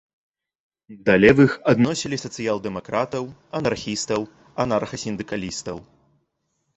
Да левых адносілі сацыял-дэмакратаў, анархістаў, анарха-сіндыкалістаў.